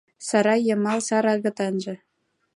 Сарай йымал сар агытанже